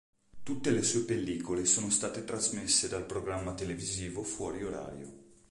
Tutte le sue pellicole sono state trasmesse dal programma televisivo "Fuori orario.